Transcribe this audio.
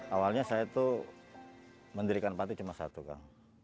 awalnya saya itu mendirikan panti cuma satu kang